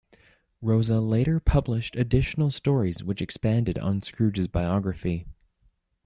Rosa later published additional stories which expanded on Scrooge's biography.